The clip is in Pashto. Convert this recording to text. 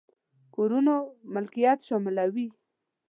کورونو ملکيت شاملوي.